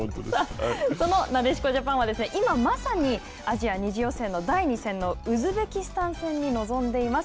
そのなでしこジャパンは今まさにアジア２次予選の第２戦のウズベキスタン戦に臨んでいます。